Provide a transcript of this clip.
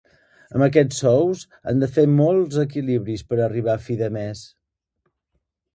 Amb aquests sous, han de fer molts equilibris per arribar a fi de mes.